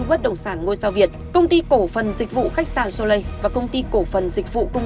bất động sản ngôi sao việt công ty cổ phần dịch vụ khách sạn solei và công ty cổ phần dịch vụ công